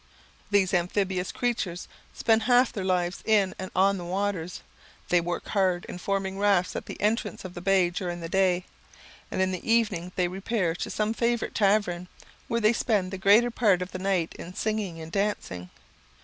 These amphibious creatures spend half their lives in and on the waters. They work hard in forming rafts at the entrance of the bay during the day, and in the evening they repair to some favourite tavern, where they spend the greater part of the night in singing and dancing.